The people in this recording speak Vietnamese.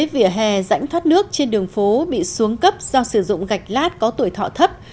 vỉa hè rãnh thoát nước trên đường phố bị xuống cấp do sử dụng gạch lát có tuổi thọ thấp